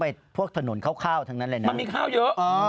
ไปพวกถนนคร่าวทั้งนั้นเลยนะคะมันมีข้าวเยอะอ๋อ